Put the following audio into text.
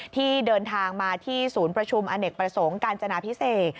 ที่เดินทางมาที่ศูนย์ประชุมอเนกประสงค์การจนาพิเศษ